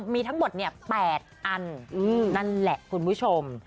มีทั้งหมด๘อันนั่นแหละคุณผู้ชม